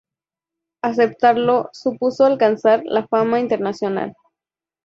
Aceptarlo supuso alcanzar la fama internacional.